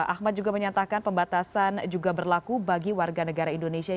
ahmad juga menyatakan pembatasan juga berlaku bagi warga negara indonesia